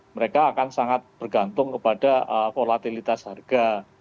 mereka akan sangat bergantung kepada volatilitas harga